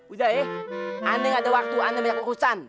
udah eh aneh gak ada waktu aneh banyak urusan